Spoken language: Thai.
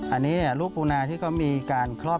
อันนี้รูปปูนาที่เขามีการคลอบแข็ง